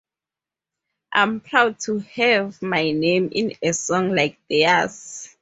I'm proud to have my name in a song like theirs.